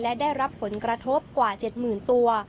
และได้รับผลกระทบกว่า๗๐๐๐ตัว